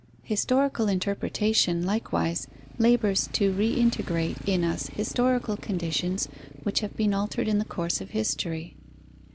Historical interpretation likewise labours to reintegrate in us historical conditions which have been altered in the course of history.